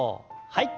はい。